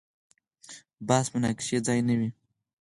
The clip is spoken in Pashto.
بحث مناقشې ځای نه وي.